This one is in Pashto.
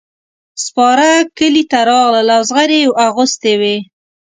سپاره کلي ته راغلل او زغرې یې اغوستې وې.